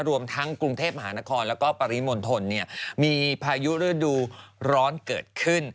รวมทั้งกรุงเทพมหานครแล้วก็ปริมณฑลมีพายุฤดูร้อนเกิดขึ้น